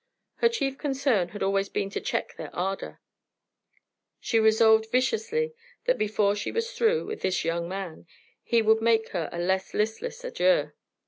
Her chief concern had always been to check their ardor. She resolved viciously that before she was through with this young man he would make her a less listless adieu.